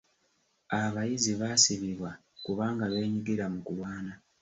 Abayizi baasibibwa kubanga beenyigira mu kulwana.